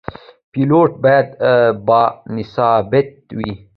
پیلوټ باید باانضباط وي.